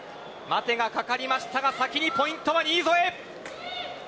待てがかかりましたが先にポイントは新添。